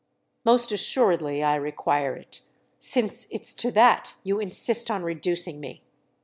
"Most assuredly I require it—since it's to that you insist on reducing me."